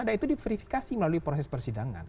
dan itu diverifikasi melalui proses persidangan